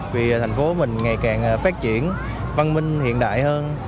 vì thành phố mình ngày càng phát triển văn minh hiện đại hơn